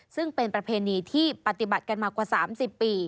ซึ่งเป็นประเพณีที่ปฏิบัติกันมากว่า๓๐ปี